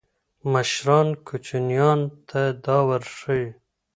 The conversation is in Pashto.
مشران کوچنیانو ته دا ورښيي.